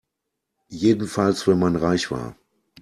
Jedenfalls wenn man reich war.